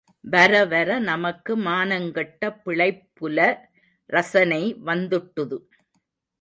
வரவர நமக்கு மானங்கெட்ட பிழைப்புல ரசனை வந்துட்டுது.